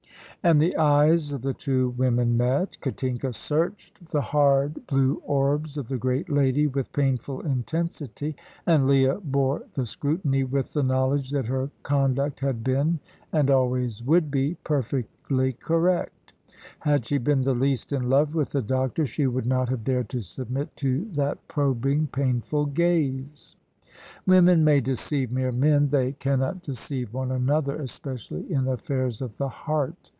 and the eyes of the two women met. Katinka searched the hard blue orbs of the great lady with painful intensity, and Leah bore the scrutiny with the knowledge that her conduct had been, and always would be, perfectly correct. Had she been the least in love with the doctor, she would not have dared to submit to that probing, painful gaze. Women may deceive mere men; they cannot deceive one another, especially in affairs of the heart.